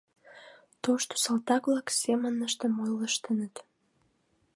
Тошто салтак-влак семынышт ойлыштыныт: